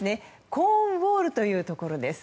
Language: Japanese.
コーンウォールというところです。